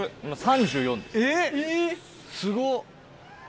すごっ。